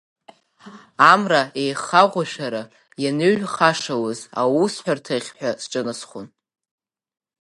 Амра еихаӷәышәара ианыҩхашылоз, аусҳәарҭахь ҳәа сҿынасхон.